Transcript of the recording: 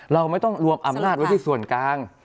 เราไม่ต้องรวมอำนาจไว้ที่ส่วนกลาง